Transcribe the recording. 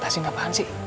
tahsin apaan sih